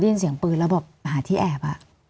มีความรู้สึกว่ามีความรู้สึกว่า